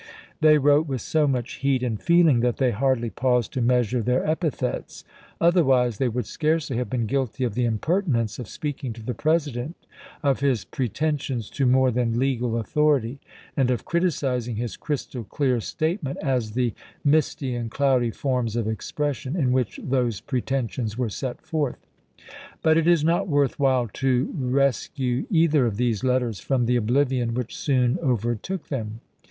They wrote with so much heat and feeling that they hardly paused to measure their epithets ; otherwise they would scarcely have been guilty of the impertinence of speaking to the President of his " pretensions to more than legal authority," and of criticizing his crystal clear state ment as the "misty and cloudy forms of expression" in which those pretensions were set forth. But it is not worth while to rescue either of these letters from the oblivion which soon overtook them.